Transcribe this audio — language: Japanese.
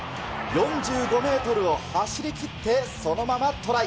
４５メートルを走りきってそのままトライ。